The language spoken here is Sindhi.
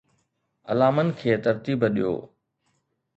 علامن کي ترتيب ڏيو